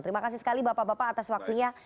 terima kasih sekali bapak bapak atas waktunya